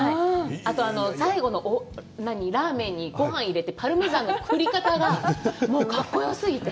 あと最後のラーメンにごはん入れてパルメザンの振り方が格好よすぎて。